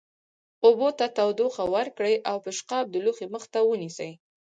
اوبو ته تودوخه ورکړئ او پیشقاب د لوښي مخ ته ونیسئ.